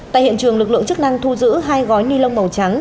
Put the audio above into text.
tại hiện trường lực lượng chức năng thu giữ hai gói nilon màu trắng